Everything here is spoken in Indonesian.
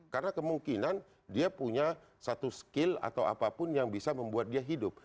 karena kemungkinan dia punya satu skill atau apapun yang bisa membuat dia hidup